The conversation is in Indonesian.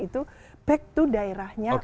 itu back to daerahnya